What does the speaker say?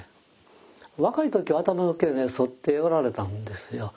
若い時は頭の毛剃っておられたんですよ。